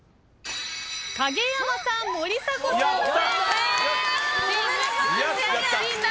影山さん森迫さん